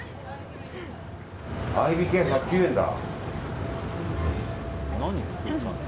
合いびきが１０９円だ。